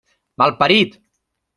Malparit!